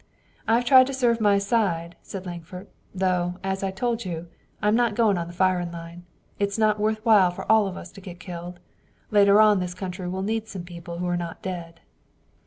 "I've tried to serve my side," said Lankford, "though, as I told you, I'm not goin' on the firin' line. It's not worth while for all of us to get killed. Later on this country will need some people who are not dead."